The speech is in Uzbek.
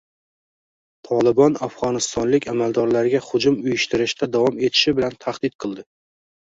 “Tolibon” afg‘onistonlik amaldorlarga hujum uyushtirishda davom etishi bilan tahdid qildi